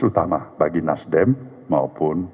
terutama bagi nasdem maupun